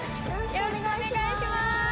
よろしくお願いします。